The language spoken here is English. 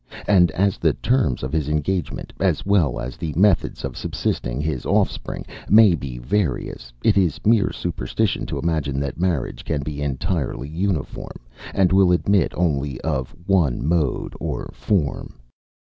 And as the terms of his engagement, as well as the methods of subsisting his offspring, may be various, it is mere superstition to imagine that marriage can be entirely uniform, and will admit only of one mode or form.